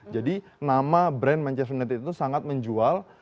jadi nama brand manchester united itu sangat menjual